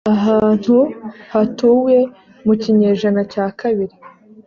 ahantu hatuwe mu kinyejana cya kabiri